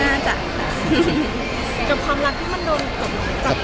อย่างไรก็ได้หมด